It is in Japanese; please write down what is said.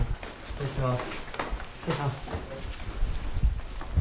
・失礼します。